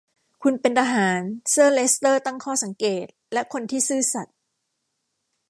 คุณเป็นทหาร เซอร์เลสเตอร์ตั้งข้อสังเกต และคนที่ซื่อสัตย์